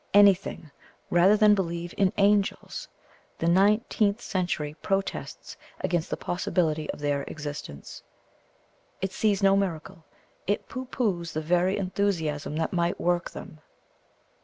Anything rather than believe in angels the nineteenth century protests against the possibility of their existence. It sees no miracle it pooh poohs the very enthusiasm that might work them.